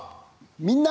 「みんな！